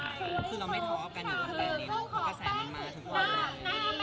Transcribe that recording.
คือเราไม่ทอบกันหรือว่าแบบนี้มันก็แสดงมาถึงว่าไม่ทอบ